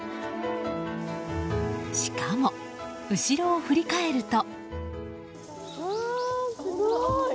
しかも、後ろを振り返ると。